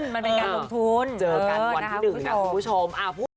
เจอกันวันที่๑คุณผู้ชม